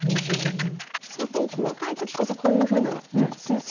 相当細かい時こそこういうふうな数値が。